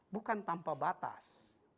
bukan tanpa batas